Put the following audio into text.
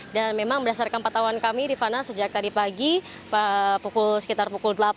dan memang berdasarkan patahuan kami rifana sejak tadi pagi sekitar pukul delapan